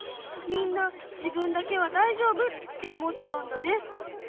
みんな自分だけは大丈夫って思っちゃうんだね。